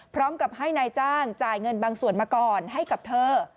พร้อมกับให้นายจ้างจ่ายเงินบางส่วนมาก่อนให้กับเธอ